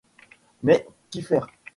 Mais qu’y faire ?